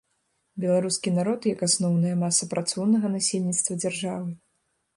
Беларускі народ як асноўная маса працоўнага насельніцтва дзяржавы.